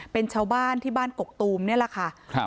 เป็นชาวบ้านที่บ้านกกตูมนี่แหละค่ะ